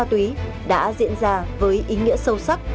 khi tìm hiểu luật phòng chống ma túy đã diễn ra với ý nghĩa sâu sắc